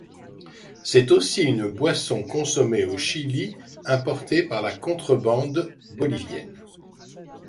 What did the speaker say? C'est aussi une boisson consommée au Chili, importée par la contrebande bolivienne.